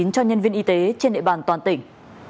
cho nhân viên y tế trên địa bàn toàn tỉnh